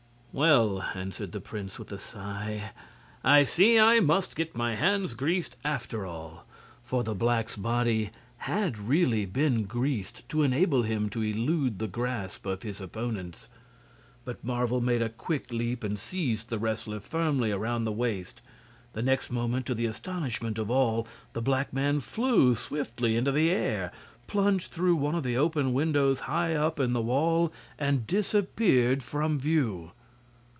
"Well," answered the prince, with a sigh, "I see I must get my hands greased after all" for the black's body had really been greased to enable him to elude the grasp of his opponents. But Marvel made a quick leap and seized the Wrestler firmly around the waist. The next moment, to the astonishment of all, the black man flew swiftly into the air, plunged through one of the open windows high up in the wall, and disappeared from view.